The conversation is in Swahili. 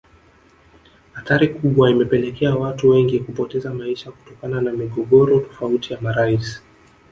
Athari kubwa imepelekea watu wengi kupoteza maisha kutokana na migogoro tofauti ya marais